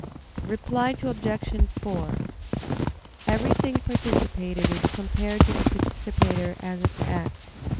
"] Reply Obj. 4: Everything participated is compared to the participator as its act.